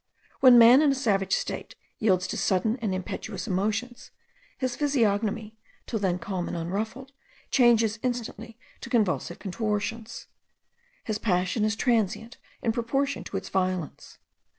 When man in a savage state yields to sudden and impetuous emotions, his physiognomy, till then calm and unruffled, changes instantly to convulsive contortions. His passion is transient in proportion to its violence.